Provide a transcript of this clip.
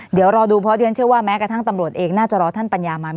เดี๋ยวรอดูเพราะเรียนเชื่อว่าแม้กระทั่งตำรวจเองน่าจะรอท่านปัญญามา